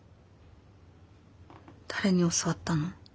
誰に教わったの？